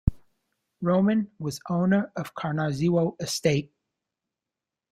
Roman was owner of Konarzewo estate.